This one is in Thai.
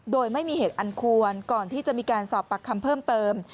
โดยไม่มีเหตุอันควรก่อนที่จะมีการสอบปากคำเพิ่มเติม